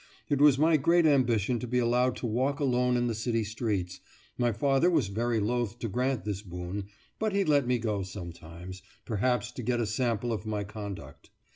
It was my great ambition to be allowed to walk alone in the city streets; my father was very loath to grant this boon, but he let me go sometimes, perhaps to get a sample of my conduct.